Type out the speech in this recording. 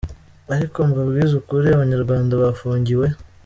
ariko mbabwize ukuri abanyarwanda bafungiwe.